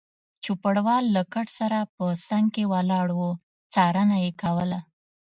چوپړوال له کټ سره په څنګ کې ولاړ و، څارنه یې کوله.